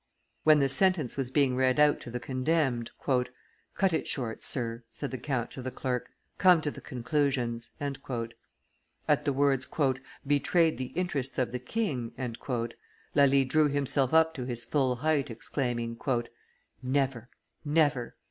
When the sentence was being read out to the condemned, "Cut it short, sir," said the count to the clerk come to the conclusions." At the words "betrayed the interests of the king," Lally drew himself up to his full height, exclaiming, "Never, never!"